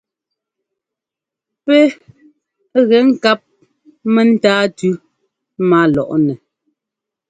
Pɛ́ gɛ ŋkáp mɛ́táa tʉ́ má lɔʼnɛ.